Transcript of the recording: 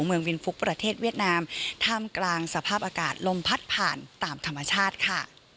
เมืองวินฟุกประเทศเวียดนามท่ามกลางสภาพอากาศลมพัดผ่านตามธรรมชาติค่ะ